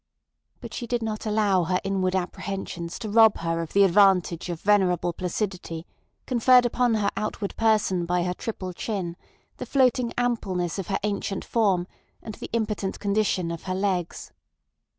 But she did not allow her inward apprehensions to rob her of the advantage of venerable placidity conferred upon her outward person by her triple chin, the floating ampleness of her ancient form, and the impotent condition of her legs.